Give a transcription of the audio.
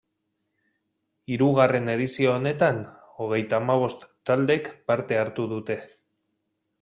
Hirugarren edizio honetan, hogeita hamabost taldek parte hartu dute.